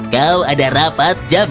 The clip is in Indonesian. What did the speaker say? kau ada rapat jam